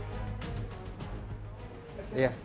pilih otot yang lebih lembut